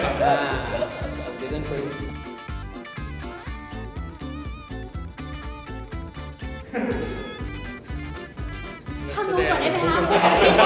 ภาพนู้ส่วนไอ้นักขวัสไหมคะ